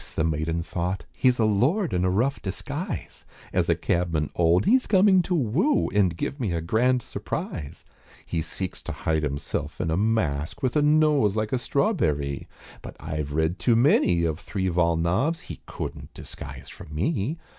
the maiden thought "He's a lord in a rough disguise, As a cabman old he's coming to woo And give me a grand surprise; He seeks to hide himself in a mask, With a nose like a strawberrie, But I've read too many of three vol. novs., He couldn't disguise from me.